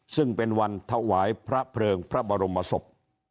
ซึ่งเป็นวันถวายพระเพลิงพระบรมศพ